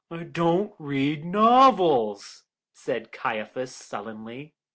"I don't read novels," said Caiaphas sullenly.